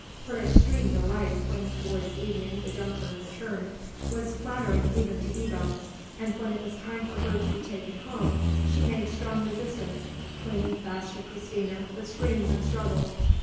Her extreme delight, when towards evening the Junkern returned, was flattering even to Ebbo; and, when it was time for her to be taken home, she made strong resistance, clinging fast to Christina, with screams and struggles.